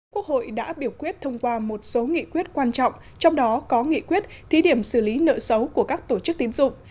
quốc hội đã biểu quyết thông qua một số nghị quyết quan trọng trong đó có nghị quyết thí điểm xử lý nợ xấu của các tổ chức tín dụng